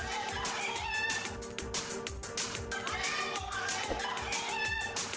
eh lu itu kebangan banget sih